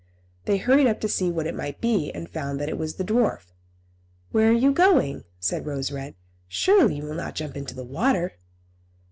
They hurried up to see what it might be, and found that it was the dwarf. "Where are you going?" said Rose Red. "Surely you will not jump into the water?"